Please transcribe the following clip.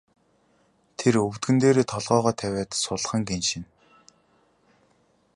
Тэр өвдгөн дээрээ толгойгоо тавиад сулхан гиншинэ.